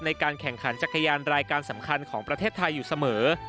ในการแข่งขันจักรยานรายการสำคัญของประเทศไทยอยู่เสมอ